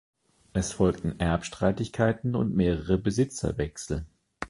Es folgten Erbstreitigkeiten und mehrere Besitzerwechsel.